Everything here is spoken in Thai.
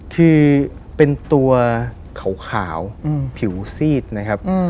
คือเป็นตัวขาวผิวซีดนะครับ